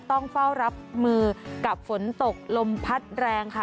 ต้องเฝ้ารับมือกับฝนตกลมพัดแรงค่ะ